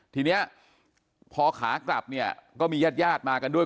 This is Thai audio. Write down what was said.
ทีนี้พอขากลับเนี่ยก็มีญาติญาติมากันด้วย